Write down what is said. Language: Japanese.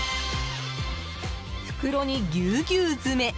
袋にぎゅうぎゅう詰め！